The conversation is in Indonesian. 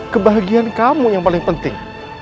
kebahagiaan kamu yang paling penting